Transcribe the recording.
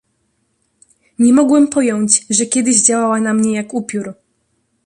"Nie mogłem pojąć, że kiedyś działała na mnie jak upiór!"